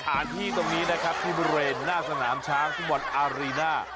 สถานที่ตรงนี้นะครับที่เบอร์เรนหน้าสนามช้างคุมวันอารีน่า